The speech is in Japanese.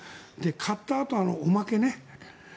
買ったあとのおまけね。